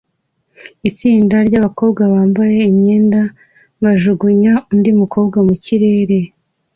Itsinda ryabakobwa bambaye imyenda bajugunya undi mukobwa mukirere